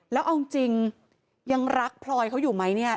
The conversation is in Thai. แล้วเอาจริงยังรักพลอยเขาอยู่ไหมเนี่ย